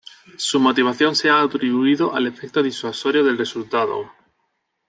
Su motivación se ha atribuido al efecto disuasorio del resultado.